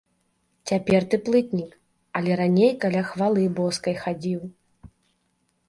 Цяпер ты плытнік, але раней каля хвалы боскай хадзіў.